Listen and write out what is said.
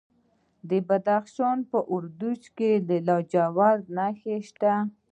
د بدخشان په وردوج کې د لاجوردو نښې شته.